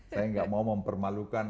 saya tidak mau mempermalukan